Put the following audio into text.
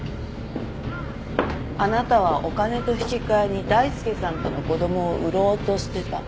あなたはお金と引き換えに大輔さんとの子供を売ろうとしてた。